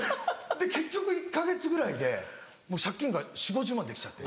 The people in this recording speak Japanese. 結局１か月ぐらいで借金が４０５０万円できちゃって。